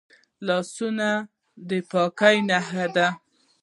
لاسونه د پاکۍ نښه ده